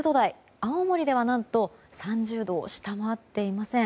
青森では何と３０度を下回っていません。